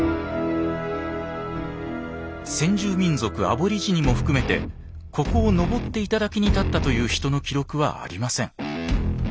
先住民族アボリジニも含めてここを登って頂に立ったという人の記録はありません。